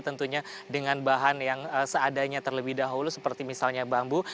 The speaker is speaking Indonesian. tentunya dengan bahan yang seadanya terlebih dahulu seperti misalnya bambu